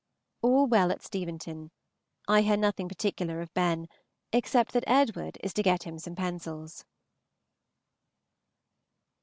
All well at Steventon. I hear nothing particular of Ben, except that Edward is to get him some pencils.